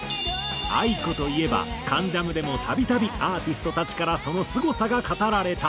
ａｉｋｏといえば『関ジャム』でも度々アーティストたちからそのすごさが語られた。